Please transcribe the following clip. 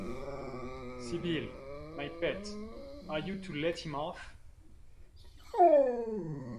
Sybil, my pet, are you to let him off?